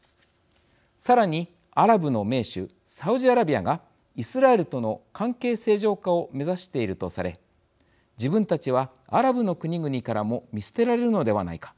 さらにアラブの盟主サウジアラビアがイスラエルとの関係正常化を目指しているとされ自分たちはアラブの国々からも見捨てられるのではないか。